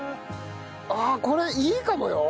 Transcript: ああこれいいかもよ！